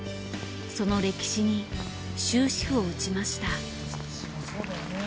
その歴史に終止符を打ちました。